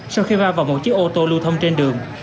sau khi va vào một chiếc ô tô lưu thông trên đường